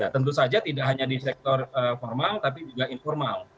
tentu saja tidak hanya di sektor formal tapi juga informal